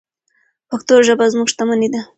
پښتو ژبه زموږ شتمني ده.